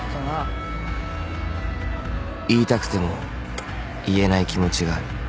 ［言いたくても言えない気持ちがある］